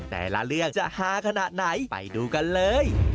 แต่ละเรื่องจะฮาขนาดไหนไปดูกันเลย